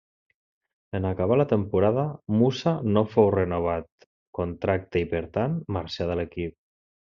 En acabar la temporada, Musa no fou renovat contracte i per tant marxà de l'equip.